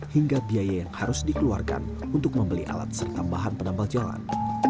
hingga biaya yang harus dikeluarkan untuk membeli alat serta bahan penambal jalan